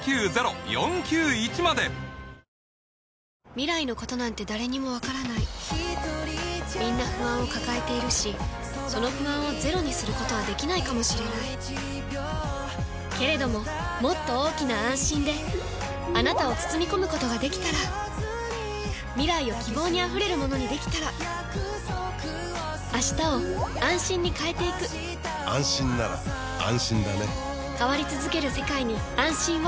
未来のことなんて誰にもわからないみんな不安を抱えているしその不安をゼロにすることはできないかもしれないけれどももっと大きな「あんしん」であなたを包み込むことができたら未来を希望にあふれるものにできたら変わりつづける世界に、「あんしん」を。